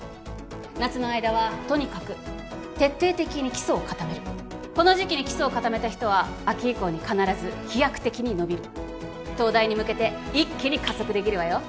夏の間はとにかく徹底的に基礎を固めるこの時期に基礎を固めた人は秋以降に必ず飛躍的に伸びる東大に向けて一気に加速できるわよ